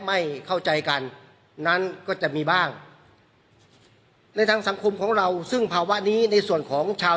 ไม่เข้าใจกันนั้นก็จะมีบ้างในทางสังคมของเราซึ่งภาวะนี้ในส่วนของชาว